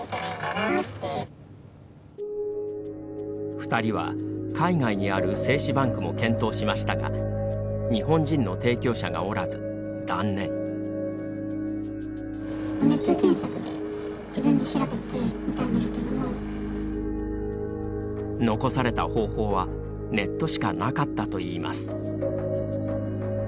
２人は、海外にある精子バンクも検討しましたが日本人の提供者がおらず断念。残された方法はネットしかなかったといいます。